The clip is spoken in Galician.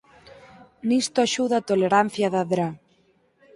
Nisto axuda a tolerancia da Dra.